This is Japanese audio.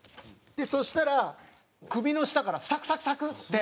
そしたら首の下からサクサクサクって。